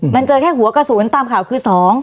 มันเจอแค่หัวกระสุนตามข่าวคือ๒